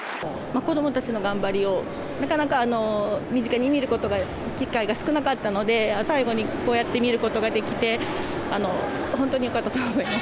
子どもたちの頑張りを、なかなか身近に見ることが、機会が少なかったので、最後にこうやって見ることができて、本当によかったと思います。